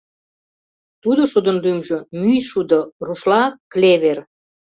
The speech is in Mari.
Тудо шудын лӱмжӧ — мӱйшудо, рушла — клевер.